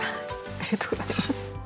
ありがとうございます。